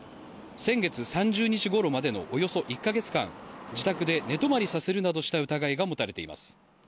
先月３０日ごろまでのおよそ１か月間、自宅で寝泊まりさせるなどした疑いが持たれています。